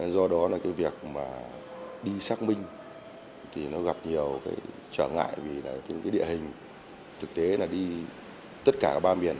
do đó là cái việc mà đi xác minh thì nó gặp nhiều trở ngại vì là cái địa hình thực tế là đi tất cả ba miền